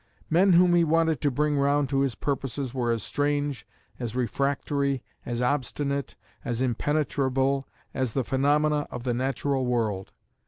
Men whom he wanted to bring round to his purposes were as strange, as refractory, as obstinate, as impenetrable as the phenomena of the natural world.